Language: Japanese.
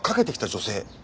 女性？